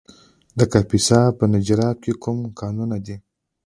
د کاپیسا په نجراب کې کوم کانونه دي؟